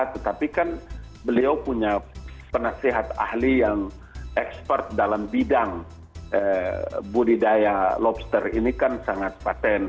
tetapi kan beliau punya penasehat ahli yang expert dalam bidang budidaya lobster ini kan sangat patent